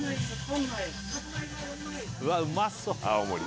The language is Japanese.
うわうまそう！